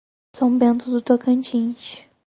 São Bento do Tocantins